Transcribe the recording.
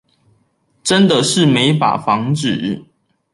真的是沒法防止